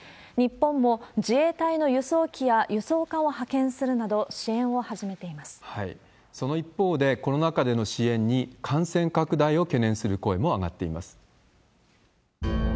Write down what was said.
日本も自衛隊の輸送機や輸送艦を派遣するなど、支援を始めていまその一方で、コロナ禍での支援に、感染拡大を懸念する声も上がっています。